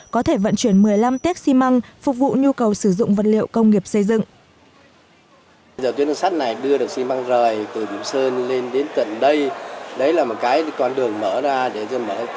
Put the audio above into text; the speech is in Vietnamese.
có thể vận chuyển một mươi năm tiết xi măng phục vụ nhu cầu sử dụng